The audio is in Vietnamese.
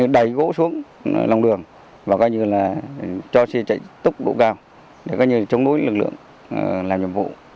đẩy gỗ xuống lòng đường và gọi như là cho xe chạy tốc độ cao để gọi như là chống đối lực lượng làm nhiệm vụ